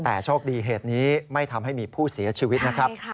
แต่โชคดีเหตุนี้ไม่ทำให้มีผู้เสียชีวิตนะครับ